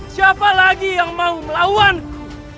siapa lagi yang mau melawanku